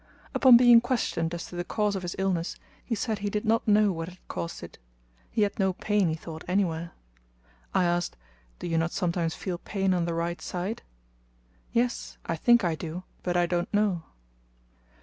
Upon being questioned as to the cause of his illness, he said he did not know what had caused it. He had no pain, he thought, anywhere. I asked, "Do you not sometimes feel pain on the right side?" "Yes, I think I do; but I don't know."